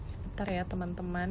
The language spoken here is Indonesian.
sebentar ya temen temen